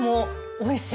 おいしい？